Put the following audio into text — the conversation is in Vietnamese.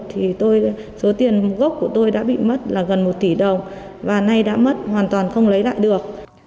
thì số tiền gốc của tôi đã bị mất là gần một tỷ đồng và nay đã mất hoàn toàn không lấy lại được